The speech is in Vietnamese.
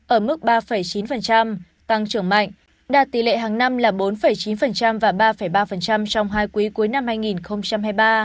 ở mức ba chín tăng trưởng mạnh đạt tỷ lệ hàng năm là bốn chín và ba ba trong hai quý cuối năm hai nghìn hai mươi ba